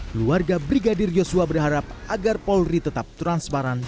keluarga brigadir yosua berharap agar polri tetap transparan